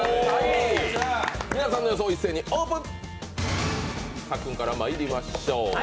皆さんの予想一斉にオープン。